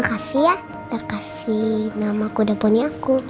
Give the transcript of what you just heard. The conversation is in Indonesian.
makasih ya udah kasih nama kuda poni aku